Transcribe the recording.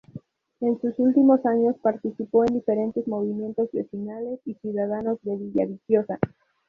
En sus últimos años participó en diferentes movimientos vecinales y ciudadanos de Villaviciosa.